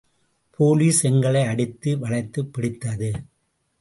Police எங்களை அடித்து வளைத்துப் பிடித்தது.